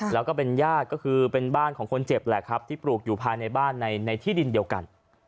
แล้วก็เป็นญาติก็คือเป็นบ้านของคนเจ็บแหละครับที่ปลูกอยู่ภายในบ้านในที่ดินเดียวกัน